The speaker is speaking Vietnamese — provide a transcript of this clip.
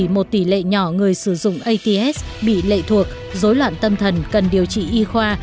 một tỷ lệ nhỏ người sử dụng ats bị lệ thuộc dối loạn tâm thần cần điều trị y khoa